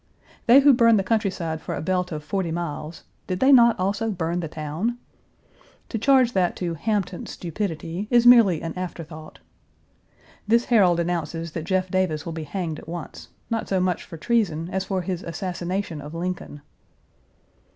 They who burned the countryside for a belt of forty miles, did they not also burn the town? To charge that to "Hampton's stupidity" is merely an afterthought. This Herald announces that Jeff Davis will be hanged at once, not so much for treason as for his assassination of Lincoln.